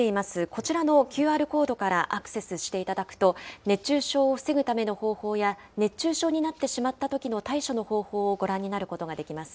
こちらのＱＲコードからアクセスしていただくと、熱中症を防ぐための方法や、熱中症になってしまったときの対処の方法をご覧になることができます。